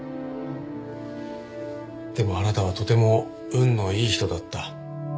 でもあなたはとても運のいい人だった。